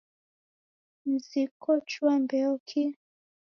Mzinyi kochua mbeo kii